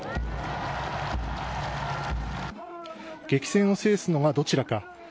激戦を制すのはどちらか。